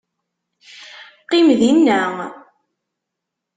Qqim dinna!